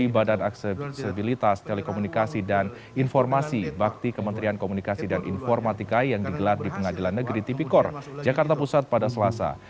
badan aksesibilitas telekomunikasi dan informasi bakti kementerian komunikasi dan informatika yang digelar di pengadilan negeri tipikor jakarta pusat pada selasa